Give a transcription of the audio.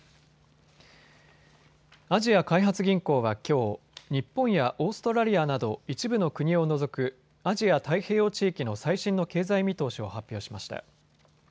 アジア開発銀行はきょう、日本やオーストラリアなど一部の国を除くアジア太平洋地域の最新の経済見通しを発表しました。